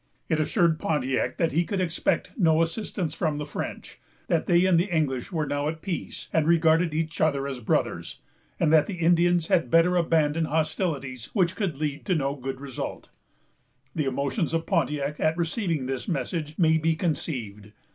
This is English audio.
It assured Pontiac that he could expect no assistance from the French; that they and the English were now at peace, and regarded each other as brothers; and that the Indians had better abandon hostilities which could lead to no good result. The emotions of Pontiac at receiving this message may be conceived.